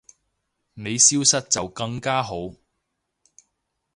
你消失就更加好